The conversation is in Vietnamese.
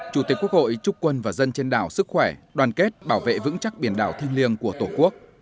chủ tịch quốc hội chúc quân và dân trên đảo sức khỏe đoàn kết bảo vệ vững chắc biển đảo thiên liêng của tổ quốc